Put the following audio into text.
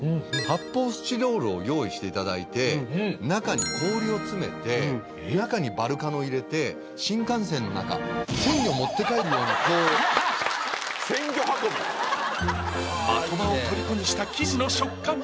発泡スチロールを用意していただいて中に氷を詰めて中にバルカノ入れて新幹線の中鮮魚持って帰るようにこう鮮魚運び！的場をとりこにした生地の食感